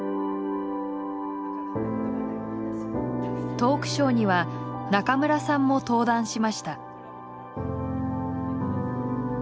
トークショーには中村さんも登壇しました。